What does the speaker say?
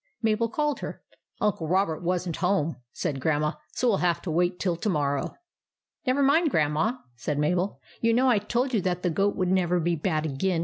Mabel called her. " Uncle Robert was n't home," said Grandma ;" so we '11 have to wait till to morrow." " Never mind, Grandma," said Mabel. " You know I told you that the goat would never be bad again.